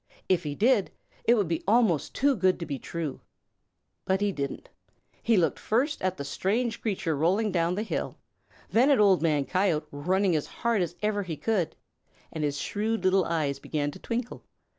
If he did, it would be almost too good to be true. But he didn't. He looked first at the strange creature rolling down the hill, then at Old Man Coyote running as hard as ever he could, and his shrewd little eyes began to twinkle.